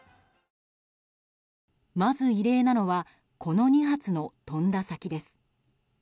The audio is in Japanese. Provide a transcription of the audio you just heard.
まず異例なのはこの２発の飛んだ先です。